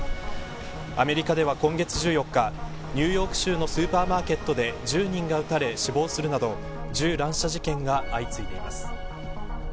アメリカでは、今月１４日ニューヨーク州のスーパーマーケットで１０人が撃たれ死亡するなど銃乱射事件が相次いでいます。